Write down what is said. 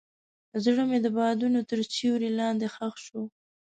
زړه مې د بادونو تر سیوري لاندې ښخ شو.